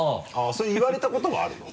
それ言われたことはあるの？